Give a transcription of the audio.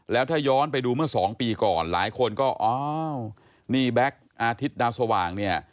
แล้วถ้าย้อนไปดูเมื่อสองปีก่อนหลายคนก็อ้าวนี่แบ็คอาทิตย์ดาวสว่างเนี่ย